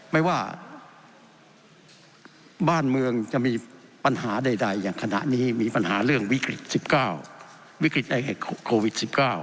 ไม่ว่าบ้านเมืองจะมีปัญหาใดอย่างขณะนี้มีปัญหาเรื่องวิกฤต๑๙วิกฤตโควิด๑๙